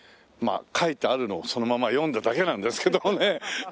まあ書いてあるのをそのまま読んだだけなんですけどね。